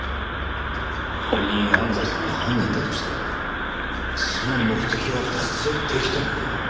仮に安西さんが犯人だとしたらその目的は達成できたのか？